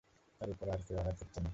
তার উপর আর কেউ আঘাত করত না।